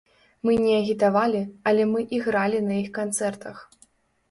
Мы не агітавалі, але мы ігралі на іх канцэртах.